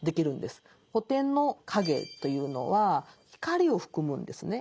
古典の「影」というのは「光」を含むんですね。